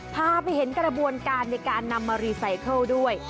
พาไปเห็นกระบวนการในการนำมารีไซเคิลด้วย